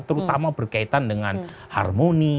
karena itu ada kaitan dengan harmoni